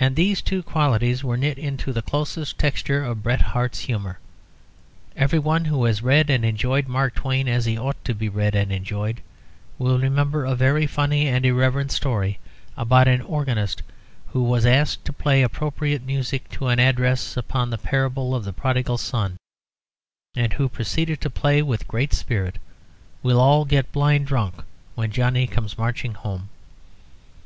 And these two qualities were knit into the closest texture of Bret Harte's humour. Everyone who has read and enjoyed Mark Twain as he ought to be read and enjoyed will remember a very funny and irreverent story about an organist who was asked to play appropriate music to an address upon the parable of the Prodigal Son, and who proceeded to play with great spirit, "We'll all get blind drunk, when Johnny comes marching home."